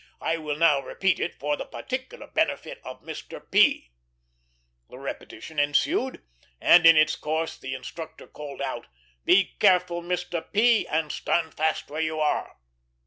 We will now repeat it, for the particular benefit of Mr. P." The repetition ensued, and in its course the instructor called out, "Be careful, Mr. P., and stand fast where you are."